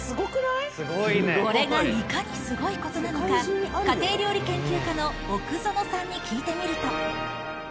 これがいかにすごいことなのか、家庭料理研究家の奥薗さんに聞いてみると。